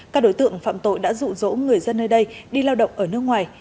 các đối tượng phạm tội đã rụ rỗ người dân nơi đây đi lao động ở nước ngoài